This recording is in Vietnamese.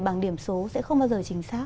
bằng điểm số sẽ không bao giờ chính xác